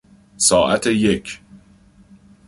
ساعت یک